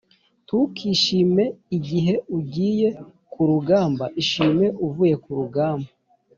ntukishime igihe ugiye ku rugamba; ishime uvuye ku rugamba